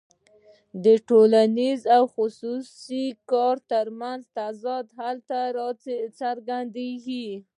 د ټولنیز او خصوصي کار ترمنځ تضاد هلته راڅرګندېږي